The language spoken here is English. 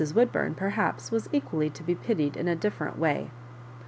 "Woodburn perhaps was equally to be pitied in a different way.